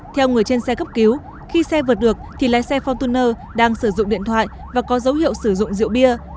theo người trên xe cấp cứu khi xe vượt được thì lái xe fortuner đang sử dụng điện thoại và có dấu hiệu sử dụng rượu bia